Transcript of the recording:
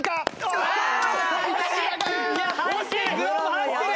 入ってる！